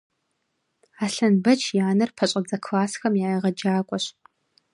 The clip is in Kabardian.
Аслъэнбэч и анэр пэщӏэдзэ классхэм я егъэджакӏуэщ.